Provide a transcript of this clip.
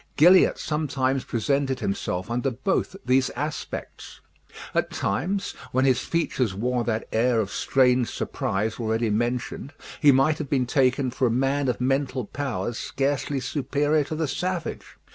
Gilliatt sometimes presented himself under both these aspects. At times, when his features wore that air of strange surprise already mentioned, he might have been taken for a man of mental powers scarcely superior to the savage.